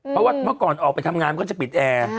เพราะว่าเมื่อก่อนออกไปทำงานมันก็จะปิดแอร์